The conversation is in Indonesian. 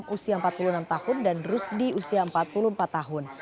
usia empat puluh enam tahun dan rusdi usia empat puluh empat tahun